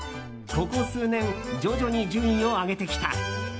ここ数年徐々に順位を上げてきた。